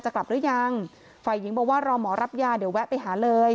กลับหรือยังฝ่ายหญิงบอกว่ารอหมอรับยาเดี๋ยวแวะไปหาเลย